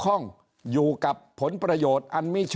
ก็มาเมืองไทยไปประเทศเพื่อนบ้านใกล้เรา